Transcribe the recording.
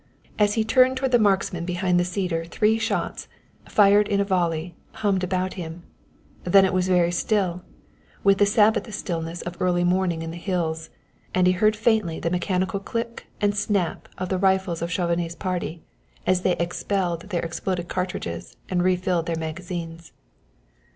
As he turned toward the marksman behind the cedars three shots, fired in a volley, hummed about him. Then it was very still, with the Sabbath stillness of early morning in the hills, and he heard faintly the mechanical click and snap of the rifles of Chauvenet's party as they expelled their exploded cartridges and refilled their magazines.